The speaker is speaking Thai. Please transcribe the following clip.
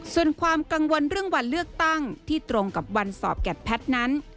ส่วนความกังวลเรื่องวันเลือกตั้งที่ตรงกับวันสอบแกดแพทย์นั้น